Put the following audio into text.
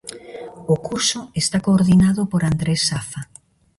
O curso está coordinado por Andrés Safa.